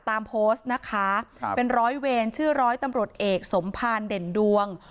ตามโพสต์นะคะครับเป็นร้อยเวรชื่อร้อยตำรวจเอกสมภารเด่นดวง